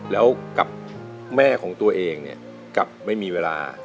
แล้วกับแม่ของตัวเองเนี่ยกลับไม่มีเวลา